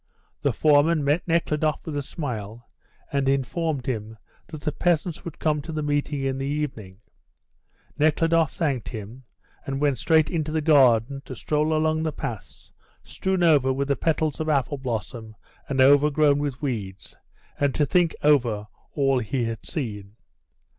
The foreman met Nekhludoff with a smile, and informed him that the peasants would come to the meeting in the evening. Nekhludoff thanked him, and went straight into the garden to stroll along the paths strewn over with the petals of apple blossom and overgrown with weeds, and to think over all he had seen.